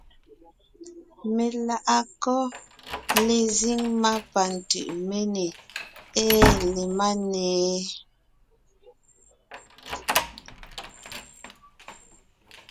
Meláʼakɔ́ lezíŋ má pa Tʉʼméne ée le Máne?